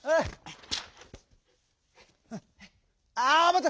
あまって！